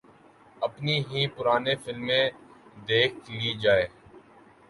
اپنی ہی پرانی فلمیں دیکھ لی جائیں۔